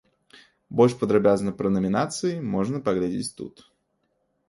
Больш падрабязна пра намінацыі можна паглядзець тут.